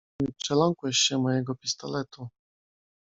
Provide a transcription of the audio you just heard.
"Nie przeląkłeś się mojego pistoletu."